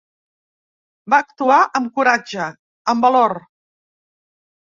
Va actuar amb coratge, amb valor.